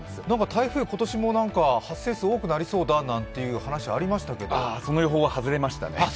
台風今年も発生数多くなりそうだという話がありましたけど、その予報は外れましたね。